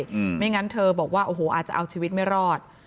ไม่งั้นเธอบอกว่าโอ้โหอาจจะเอาชีวิตไม่รอด